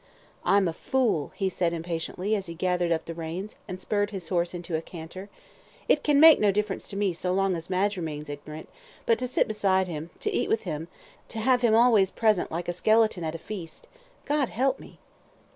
"I'm a fool," he said, impatiently, as he gathered up the reins, and spurred his horse into a canter. "It can make no difference to me so long as Madge remains ignorant; but to sit beside him, to eat with him, to have him always present like a skeleton at a feast God help me!"